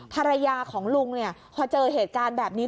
ภรรยาของลุงเนี่ยพอเจอเหตุการณ์แบบนี้